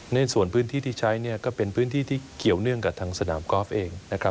ในส่วนพื้นที่ที่ใช้ก็เป็นพื้นที่ที่เกี่ยวเนื่องกับสนามกอล์ฟเอง